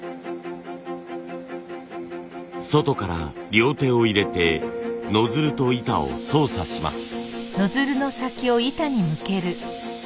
外から両手を入れてノズルと板を操作します。